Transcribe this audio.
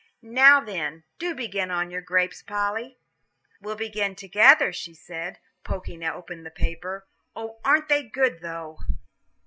"Now, then, do begin on your grapes, Polly." "We'll begin together," she said, poking open the paper. "Oh, aren't they good, though!"